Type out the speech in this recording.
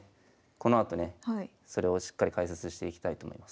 このあとねそれをしっかり解説していきたいと思います。